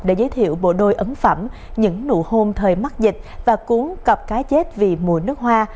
để giới thiệu bộ đôi ấn phẩm những nụ hôn thời mắc dịch và cuốn cặp cá chết vì mùa nước hoa